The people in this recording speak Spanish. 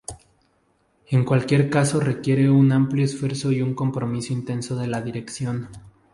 En cualquier caso requiere un amplio esfuerzo y un compromiso intenso de la dirección.